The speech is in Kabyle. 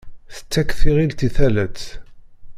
Tettak tiɣilt i talat.